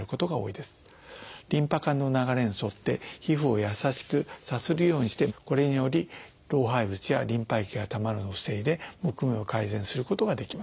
リンパ管の流れに沿って皮膚を優しくさするようにしてこれにより老廃物やリンパ液がたまるのを防いでむくみを改善することができます。